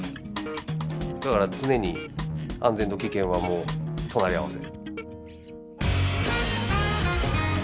だから常に安全と危険はもう隣り合わせ。